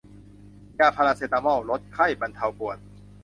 ยาพาราเซตามอล ลดไข้ บรรเทาปวด